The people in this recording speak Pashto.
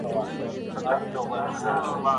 که نجونې پیسې وګټي نو پورونه به نه وي.